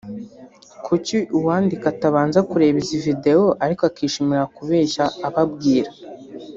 Kuki uwandika atabanza kureba izi video ariko akishimira kubeshya abo abwira”